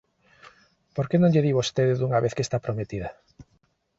Por que non lle di vostede, dunha vez, que está prometida? —